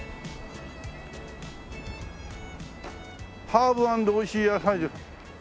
「ハーブ＆おいしい野菜塾」